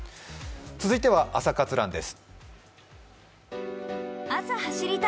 続いては「朝活ＲＵＮ」です。